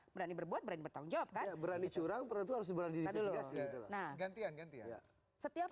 berani berbuat berani bertanggung jawab kan berani curang perut harus berani gantian gantian setiap